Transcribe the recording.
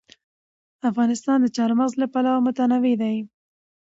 افغانستان د چار مغز له پلوه متنوع دی.